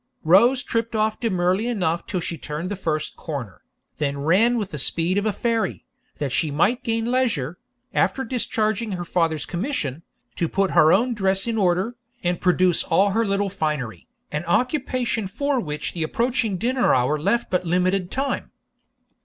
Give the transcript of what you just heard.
Rose tripped off demurely enough till she turned the first corner, and then ran with the speed of a fairy, that she might gain leisure, after discharging her father's commission, to put her own dress in order, and produce all her little finery, an occupation for which the approaching dinner hour left but limited time.